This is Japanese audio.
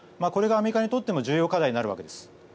これがアメリカにとっても重要課題になるわけです。